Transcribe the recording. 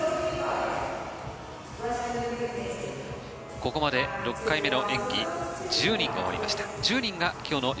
ここまで６回目の演技１０人が終わりました。